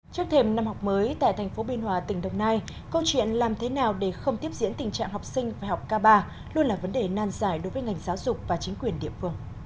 trước thềm năm học mới tại tp binh hòa tỉnh đồng nai câu chuyện làm thế nào để không tiếp diễn tình trạng học sinh và học ca bà luôn là vấn đề nan giải đối với ngành giáo dục và chính quyền địa phương